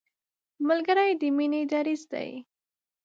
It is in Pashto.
ملګری د مینې دریځ دی